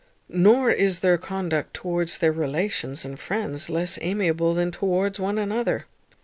Nor is their conduct towards their relations and friends less amiable than towards one another.